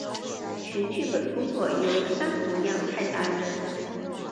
全剧本工作由山口亮太担任。